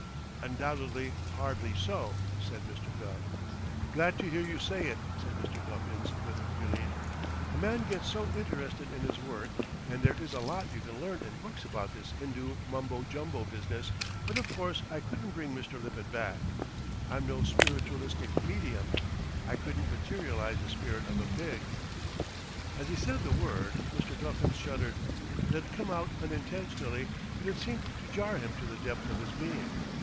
"Undoubtedly hardly so," said Mr. Gubb. "Glad to hear you say it," said Mr. Guffins with relief. "A man gets so interested in his work and there is a lot you can learn in books about this Hindoo mumbo jumbo business but of course I couldn't bring Mr. Lippett back. I'm no spiritualistic medium. I couldn't materialize the spirit of a pig." As he said the word, Mr. Guffins shuddered. It had come out unintentionally, but it seemed to jar him to the depth of his being.